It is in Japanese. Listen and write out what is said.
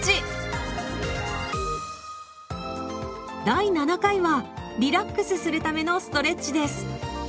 第７回はリラックスするためのストレッチです。